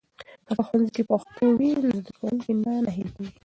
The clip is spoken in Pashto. که په ښوونځي کې پښتو وي، نو زده کوونکي نه ناهيلي کېږي.